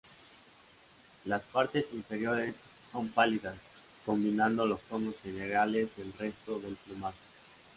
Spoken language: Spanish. Las partes inferiores son pálidas, combinando los tonos generales del resto del plumaje.